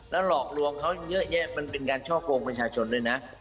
แล้วหลอกลวงเขายังเยอะแยะมันเป็นการช่อโกงบัญชาชนเลยนะ